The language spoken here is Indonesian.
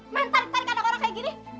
main tarik tarik anak orang kayak gini